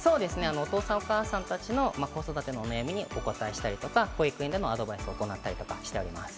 お父さん、お母さんたちの子育てのお悩みにお答えしたりとか、保育園でのアドバイスを行ったりしております。